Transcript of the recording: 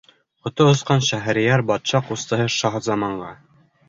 Ҡото осҡан Шәһрейәр батша ҡустыһы Шаһзаманға: